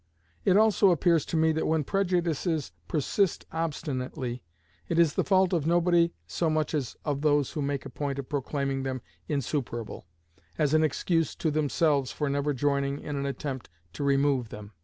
It also appears to me that when prejudices persist obstinately, it is the fault of nobody so much as of those who make a point of proclaiming them insuperable, as an excuse to themselves for never joining in an attempt to remove them.